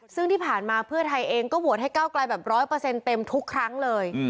ซึ่งที่ผ่านมาเพื่อไทยเองก็โหวตให้เก้าไกลแบบ๑๐๐เต็มทุกครั้งเลย